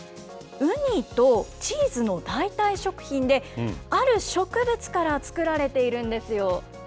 ウニとチーズの代替食品で、ある植物から作られているんですよ。